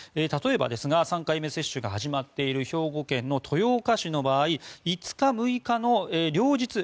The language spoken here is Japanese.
例えばですが３回目接種が始まっている兵庫県豊岡市の場合５日、６日の両日